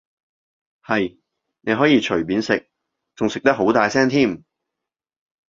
係，你可以隨便食，仲食得好大聲添